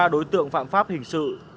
hai mươi ba đối tượng phạm pháp hình sự